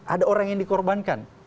ada orang yang dikorbankan